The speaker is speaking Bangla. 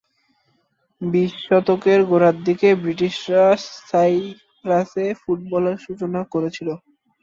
বিশ শতকের গোড়ার দিকে ব্রিটিশরা সাইপ্রাসে ফুটবলের সূচনা করেছিল।